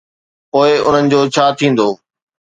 پوءِ انهن جو ڇا ٿيندو؟